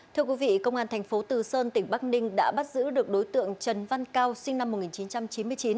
thưa quý vị công an thành phố từ sơn tỉnh bắc ninh đã bắt giữ được đối tượng trần văn cao sinh năm một nghìn chín trăm chín mươi chín